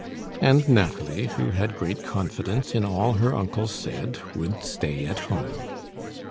And Nathalie, who had great confidence in all her uncle said, would stay at home.